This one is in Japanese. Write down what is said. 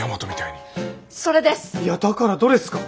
いやだからどれっすか？